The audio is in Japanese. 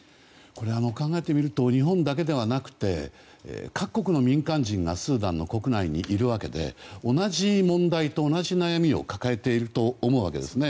考えてみると日本だけではなくて各国の民間人がスーダン国内にいるわけで同じ問題と同じ悩みを抱えていると思うわけです。